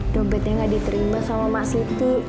dompetnya gak diterima sama mas siti